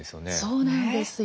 そうなんですよ。